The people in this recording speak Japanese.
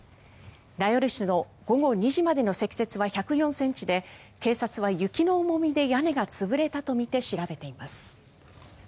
名寄市の午後２時までの積雪は１０４ｃｍで警察は雪の重みで屋根が潰れたとみて調べています。